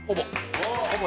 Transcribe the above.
ほぼ。